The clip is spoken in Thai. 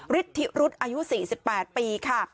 ฤทธิรุษอายุ๔๘ปีค่ะ